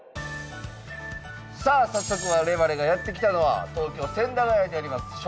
さあ早速我々がやって来たのは東京・千駄ヶ谷にあります